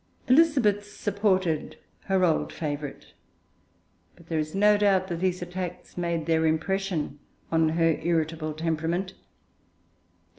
Elizabeth supported her old favourite, but there is no doubt that these attacks made their impression on her irritable temperament.